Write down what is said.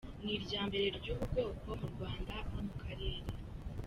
Ni iryambere ry’ubu bwoko mu Rwanda no mu karere.